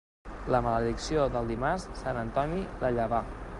La maledicció del dimarts, sant Antoni la llevà.